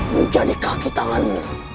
menjadi kaki tanganmu